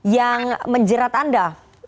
yang menjerat anda